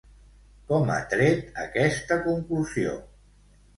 Com ha tret aquesta conclusió?